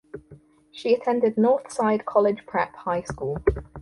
She attended Northside College Prep high school.